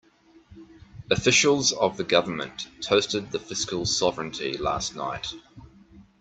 Officials of the government toasted the fiscal sovereignty last night.